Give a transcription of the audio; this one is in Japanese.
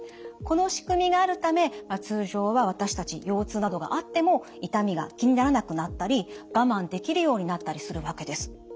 このしくみがあるため通常は私たち腰痛などがあっても痛みが気にならなくなったり我慢できるようになったりするわけです。